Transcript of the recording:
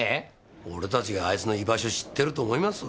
俺たちがあいつの居場所知ってると思います？